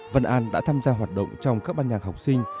văn an đã tham gia hoạt động trong các ban nhạc học sinh